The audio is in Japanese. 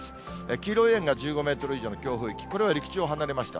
黄色い円が１５メートル以上の強風域、これは陸地を離れました。